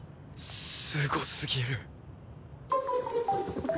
すごすぎる。